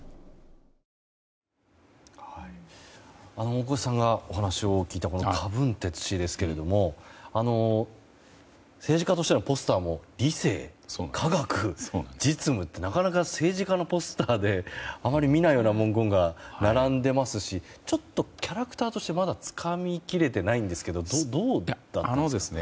大越さんがお話を聞いたカ・ブンテツ氏ですけども政治家としてのポスターも理性、科学、実務ってなかなか政治家のポスターであまり見ないような文言が並んでいますしちょっとキャラクターとしてまだつかみきれてないんですけどどうだったんですか？